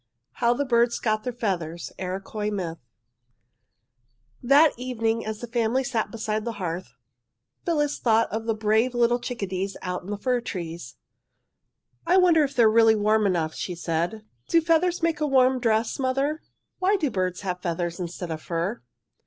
HOW THE BIRDS GOT THEIR FEATHERS (IROQUOIS MYTH) That evening, as the family sat beside the hearth, Phyllis thought of the brave little chickadees out in the fir trees. "I wonder if they are really warm enough," she said. "Do feathers make a warm dress, mother? Why do birds have feathers instead of fur?"